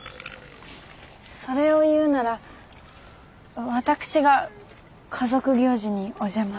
それを言うなら私が家族行事にお邪魔を。